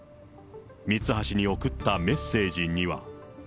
ミツハシに送ったメッセージには。